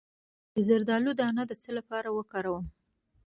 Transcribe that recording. د زردالو دانه د څه لپاره وکاروم؟